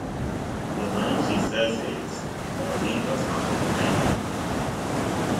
The line she says is: "Only what's on the menu".